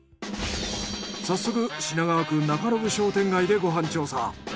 早速品川区中延商店街でご飯調査。